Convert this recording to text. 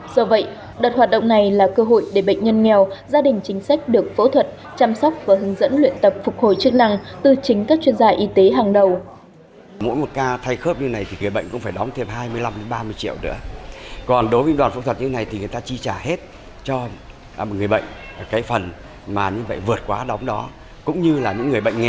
do vậy đợt hoạt động này là cơ hội để bệnh nhân nghèo gia đình chính sách được phẫu thuật chăm sóc và hướng dẫn luyện tập phục hồi chức năng từ chính các chuyên gia y tế hàng đầu